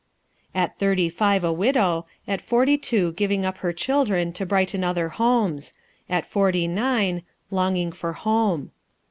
At thirty five a widow; at forty two giving up her children to brighten other homes; at forty nine, "Longing for Home."